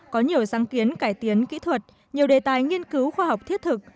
có nhiều sáng kiến cải tiến kỹ thuật nhiều đề tài nghiên cứu khoa học thiết thực